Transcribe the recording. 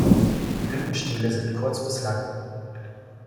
Die Blütenstiele sind kurz bis lang.